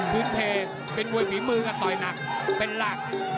พื้นเพจเป็นบ่วยฝีมือนะต่อยหนักเป็นหลัก